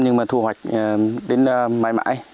nhưng mà thu hoạch đến mãi mãi